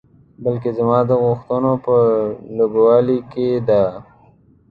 بلکې زما د غوښتنو په لږوالي کې ده.